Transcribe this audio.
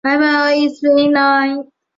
曼波雷是巴西巴拉那州的一个市镇。